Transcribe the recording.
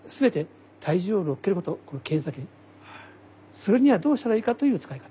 それにはどうしたらいいかという使い方。